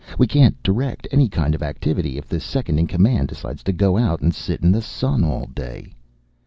We can't direct any kind of activity if the Second in Command decides to go out and sit in the sun all day.